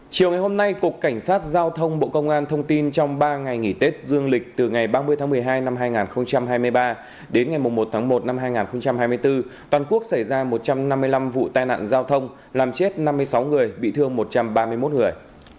chiều ngày hôm nay cục cảnh sát giao thông bộ công an thông tin trong ba ngày nghỉ tết dương lịch từ ngày ba mươi tháng một mươi hai năm hai nghìn hai mươi ba đến ngày một tháng một năm hai nghìn hai mươi bốn toàn quốc xảy ra một trăm năm mươi năm vụ tai nạn giao thông làm chết năm mươi sáu người bị thương một trăm ba mươi một người